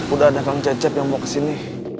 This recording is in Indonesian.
udah ada kang cecep yang mau kesini